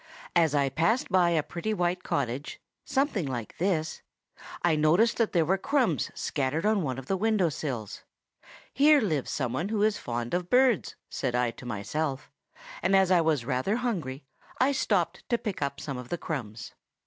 As I passed by a pretty white cottage, something like this, I noticed that there were crumbs scattered on one of the window sills. 'Here lives somebody who is fond of birds!' said I to myself, and as I was rather hungry, I stopped to pick up some of the crumbs.